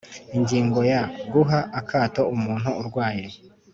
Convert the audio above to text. Ingingo ya Guha akato umuntu urwaye